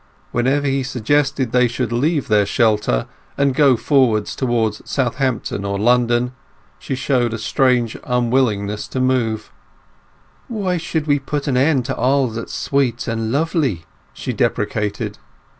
Whenever he suggested that they should leave their shelter, and go forwards towards Southampton or London, she showed a strange unwillingness to move. "Why should we put an end to all that's sweet and lovely!" she deprecated.